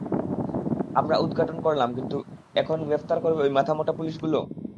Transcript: আমারা উৎঘাটন করলাম কিন্তু এখন গ্রেফতার করবে ঐ মাথামোটা পুলিশগুলো?